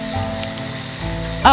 dia mencari perlindungan